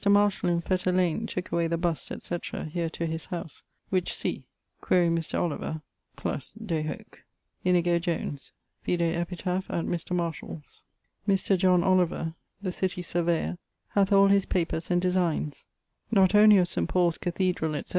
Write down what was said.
Marshall in Fetter lane tooke away the bust, etc. here to his howse, which see. Quaere Mr. Oliver + de hoc. Inigo Jones: vide epitaph at Mr. Marshall's. Mr. Oliver, the city surveyor, hath all his papers and designes, not only of St. Paul's Cathedral etc.